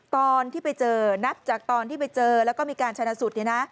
ตอนที่ไปเจอนับจากตอนที่ไปเจอแล้วก็มีการชนะสูตร